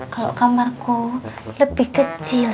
kalau kamarku lebih kecil